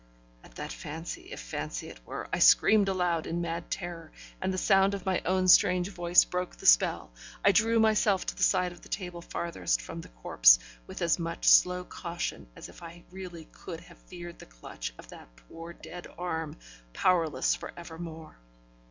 At that fancy if fancy it were I screamed aloud in mad terror, and the sound of my own strange voice broke the spell. I drew myself to the side of the table farthest from the corpse, with as much slow caution as if I really could have feared the clutch of that poor dead arm, powerless for evermore.